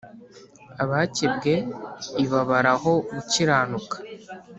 Abakebwe ibabaraho gukiranuka